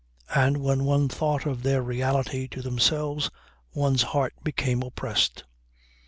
And when one thought of their reality to themselves one's heart became oppressed.